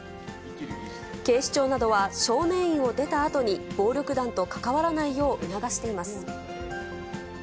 警視庁などは、少年院を出たあとに暴力団と関わらないよう促しています。